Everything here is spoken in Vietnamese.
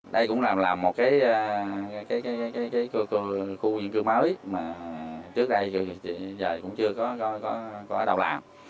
đây cũng là một khu dân cư mới mà trước đây cũng chưa có đầu làm